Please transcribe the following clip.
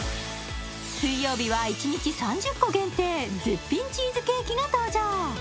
水曜日は１日３０個限定絶品チーズケーキが登場